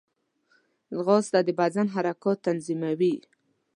ځغاسته د بدن حرکات تنظیموي